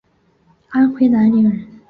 安徽南陵人。